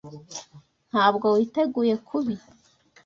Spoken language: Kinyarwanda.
Ntabwo witeguye kubi.